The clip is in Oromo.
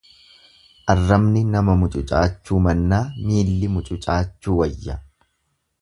Arrabni nama mucucaachuu mannaa miilli mucucaachuu wayya.